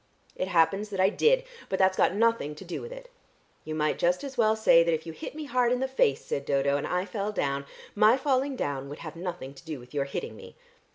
"It happens that I did, but that's got nothing to do with it." "You might just as well say that if you hit me hard in the face," said Dodo, "and I fell down, my falling down would have nothing to do with your hitting me."